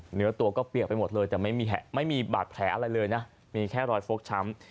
เหนือตัวก็เปียกไปหมดเลยแต่ไม่มีบาดแผลอะไรเลยนะมีแค่รอยฟกช้ำ